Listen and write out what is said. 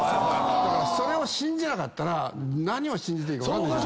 それを信じなかったら何を信じていいか分かんない。